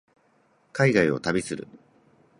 海外を旅する